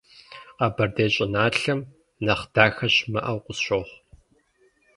Къэбэрдей щӏыналъэм нэхъ дахэ щымыӏэу къысщохъу.